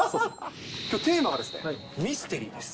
きょう、テーマがミステリーです。